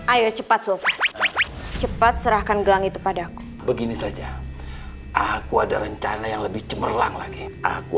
ayo cepat selesai cepat serahkan gelang itu padaku begini saja aku ada rencana yang lebih cemerlang lagi aku